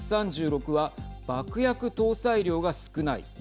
１３６は爆薬搭載量が少ない。